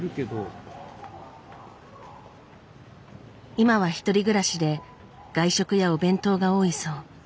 今は１人暮らしで外食やお弁当が多いそう。